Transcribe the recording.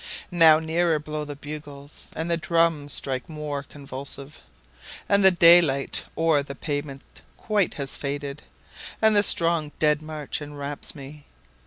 6Now nearer blow the bugles, And the drums strike more convulsive; And the day light o'er the pavement quite has faded, And the strong dead march enwraps me.